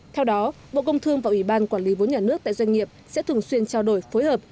theo đó bộ công thương và ủy ban quản lý vốn nhà nước tại doanh nghiệp sẽ thường xuyên trao đổi phối hợp